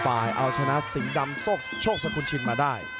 เอาชนะสิงห์ดำโชคสกุลชินมาได้